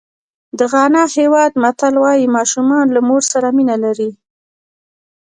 د غانا هېواد متل وایي ماشومان له مور سره مینه لري.